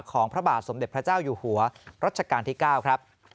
พระบาทสมเด็จพระเจ้าอยู่หัวรัชกาลที่๙ครับ